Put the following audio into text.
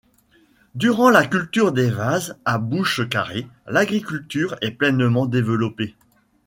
Durant la culture des Vases à Bouche carrée, l'agriculture est pleinement développée.